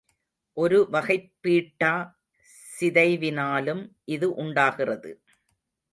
ஒரு வகைப் பீட்டா சிதைவினாலும் இது உண்டாகிறது.